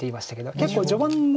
結構序盤を